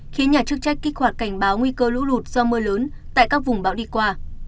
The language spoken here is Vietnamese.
khiến nhà chức trách kích hoạt cảnh báo nguy cơ lũ lụt do mưa lớn tại các vùng bão đi qua